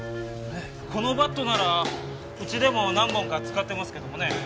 このバットならうちでも何本か使ってますけどもね。